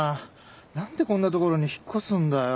なんでこんな所に引っ越すんだよ。